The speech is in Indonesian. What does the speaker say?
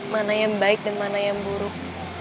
mana yang baik dan mana yang buruk